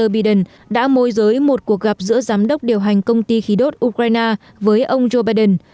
joe biden đã môi giới một cuộc gặp giữa giám đốc điều hành công ty khí đốt ukraine với ông joe biden